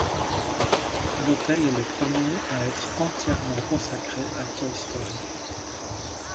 L'hôtel est le premier à être entièrement consacré à Toy Story.